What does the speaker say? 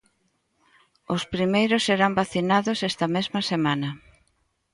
Os primeiros serán vacinados esta mesma semana.